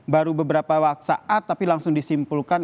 baru beberapa saat tapi langsung disimpulkan